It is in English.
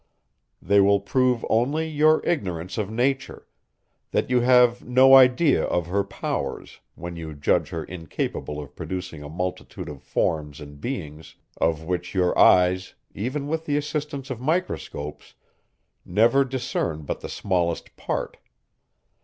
They will prove only your ignorance of nature; that you have no idea of her powers, when you judge her incapable of producing a multitude of forms and beings, of which your eyes, even with the assistance of microscopes, never discern but the smallest part.